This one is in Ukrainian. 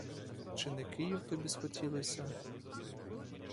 Чи не київ тобі схотілося?